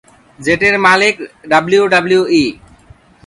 যেটির মালিক ডাব্লিউডাব্লিউই।